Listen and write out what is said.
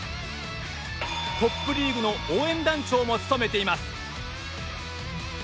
トップリーグの応援団長も務めています。